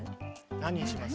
何にします？